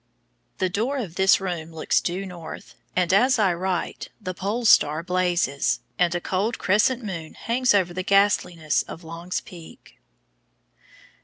The door of this room looks due north, and as I write the Pole Star blazes, and a cold crescent moon hangs over the ghastliness of Long's Peak.